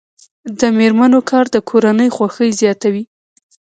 د میرمنو کار د کورنۍ خوښۍ زیاتوي.